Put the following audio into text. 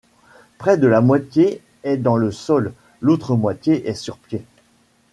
Près de la moitié est dans le sol, l'autre moitié est sur pied.